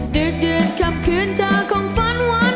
ดึกดื่นคำคืนเธอของฝันหวาน